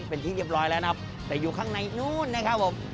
เป็นที่เรียบร้อยแล้วนะครับแต่อยู่ข้างในนู้นนะครับผม